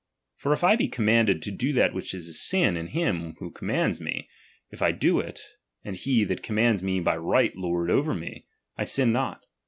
For if I be commanded to do that which is a sin in him who commands me, if I do it, and he that commands me be by right lord over me, I sin not.